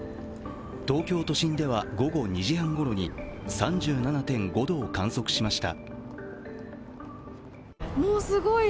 東京都心では午後２時半ごろに３７．５度を観測しました。